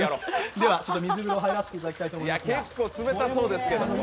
では、水風呂に入らせていただきたいと思います。